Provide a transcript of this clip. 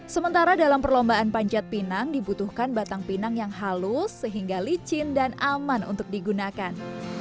sementara dalam perlombaan panjat pinang dibutuhkan batang pinang yang halus sehingga licin dan aman untuk digunakan